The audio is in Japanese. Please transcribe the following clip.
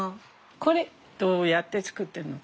これどうやって作ってるの？